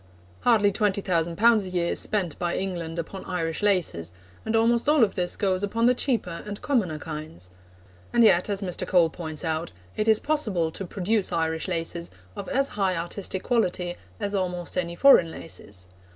Hardly 20,000 pounds a year is spent by England upon Irish laces, and almost all of this goes upon the cheaper and commoner kinds. And yet, as Mr. Cole points out, it is possible to produce Irish laces of as high artistic quality as almost any foreign laces.